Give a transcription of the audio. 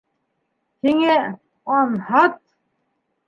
Һиңә... анһат!